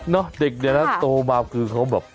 เด็กเนี่ยนะโตมาคือเขาแบบ